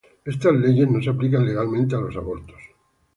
Estas leyes no se aplican legalmente a los abortos.